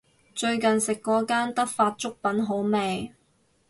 最近食過間德發粥品好味